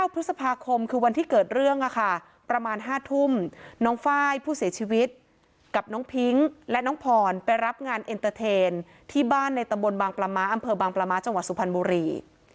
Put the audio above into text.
พฤษภาคมคือวันที่เกิดเรื่องประมาณ๕ทุ่มน้องไฟล์ผู้เสียชีวิตกับน้องพิ้งและน้องพรไปรับงานเอ็นเตอร์เทนที่บ้านในตำบลบางปลาม้าอำเภอบางปลาม้าจังหวัดสุพรรณบุรี